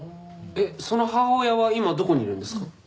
えっその母親は今どこにいるんですか？